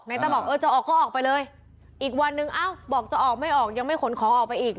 ต้าบอกเออจะออกก็ออกไปเลยอีกวันหนึ่งเอ้าบอกจะออกไม่ออกยังไม่ขนของออกไปอีก